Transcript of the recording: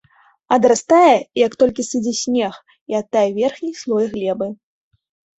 Адрастае, як толькі сыдзе снег і адтае верхні слой глебы.